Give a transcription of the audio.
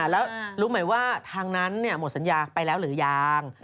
แล้วรู้ไหมว่าทางนั้นหมดสัญญาไปแล้วหรือยัง